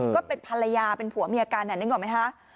ก็เป็นภรรยาเป็นผัวเมียกันนึกออกไหมคะ